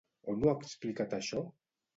On ho ha explicat això?